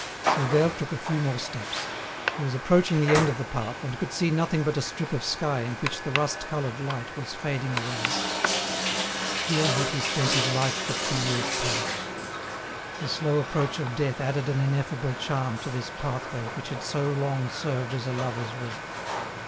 Silvère took a few more steps. He was approaching the end of the path, and could see nothing but a strip of sky in which the rust coloured light was fading away. Here had he spent his life for two years past. The slow approach of death added an ineffable charm to this pathway which had so long served as a lovers' walk.